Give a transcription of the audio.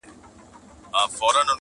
چي نیکونو به ویله بس همدغه انقلاب دی-